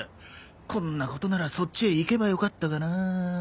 こんなことならそっちへ行けばよかったかなあ。